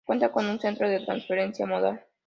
Cuenta con un Centro de transferencia modal.